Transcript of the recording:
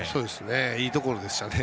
いいところでしたね。